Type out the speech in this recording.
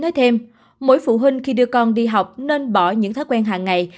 thế thêm mỗi phụ huynh khi đưa con đi học nên bỏ những thói quen hàng ngày